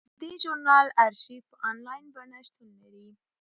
د دې ژورنال ارشیف په انلاین بڼه شتون لري.